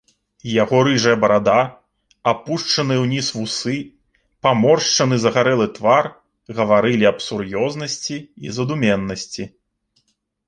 Яго рыжая барада, апушчаныя ўніз вусы, паморшчаны загарэлы твар гаварылі аб сур'ёзнасці і задуменнасці.